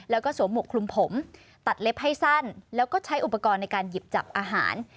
แล้วก็สวมหมวกคลุมผมตัดเล็บให้สั้นแล้วก็ใช้อุปกรณ์ในการหยิบจับอาหาร